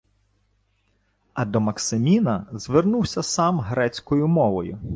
А до Максиміна звернувся сам грецькою мовою: